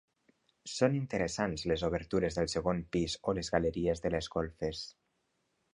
Són interessants les obertures del segon pis o galeries de les golfes.